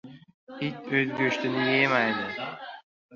• It o‘z go‘shtini yemaydi.